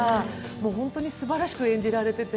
ホントに素晴らしく演じられてて。